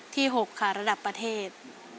๖ค่ะระดับประเทศ